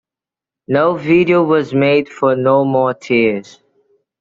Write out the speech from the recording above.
No video was made for No More Tears.